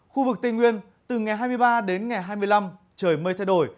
khu vực tây nguyên từ ngày hai mươi ba đến ngày hai mươi năm trời mây thay đổi